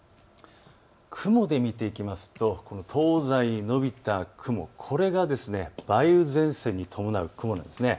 雲で見ていくと東西に延びた雲、これが梅雨前線に伴う雲なんです。